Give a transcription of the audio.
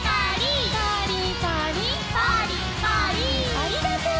ありがとう。